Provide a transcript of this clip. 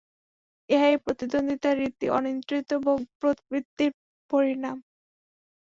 ইহাই প্রতিদ্বন্দ্বিতার রীতি, অনিয়ন্ত্রিত ভোগপ্রবৃত্তির পরিণাম।